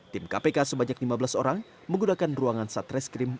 tim kpk sebanyak lima belas orang menggunakan ruangan satreskrim